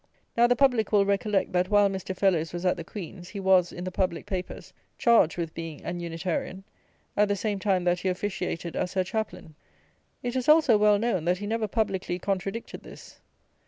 Now, the public will recollect that, while Mr. Fellowes was at the Queen's, he was, in the public papers, charged with being an Unitarian, at the same time that he officiated as her chaplain. It is also well known, that he never publicly contradicted this.